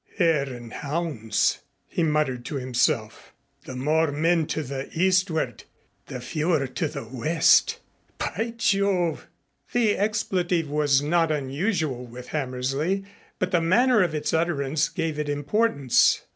"Hare and hounds!" he muttered to himself. "The more men to the eastward, the fewer to the west. By Jove!" The expletive was not unusual with Hammersley but the manner of its utterance gave it importance.